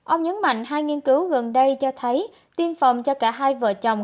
ông nhấn mạnh hai nghiên cứu gần đây cho thấy tiêm phòng cho cả hai vợ chồng